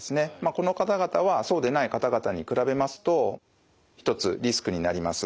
この方々はそうでない方々に比べますと一つリスクになります。